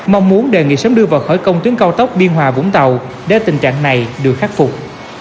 mong muốn đề nghị sớm đưa vào khởi công tuyến cao tốc biên hòa vũng tàu để tình trạng này được khắc phục